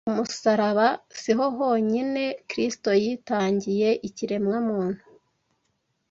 Ku musaraba si ho honyine Kristo yitangiye ikiremwamuntu